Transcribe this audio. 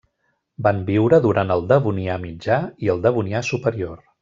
Van viure durant el Devonià mitjà i el Devonià superior.